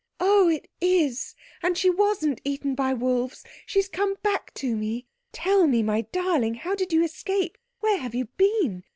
"Oh it is! And she wasn't eaten by wolves. She's come back to me. Tell me, my darling, how did you escape? Where have you been?